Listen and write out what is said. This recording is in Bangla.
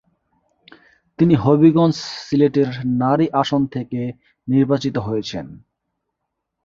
তিনি হবিগঞ্জ-সিলেটের নারী আসন থেকে নির্বাচিত হয়েছেন।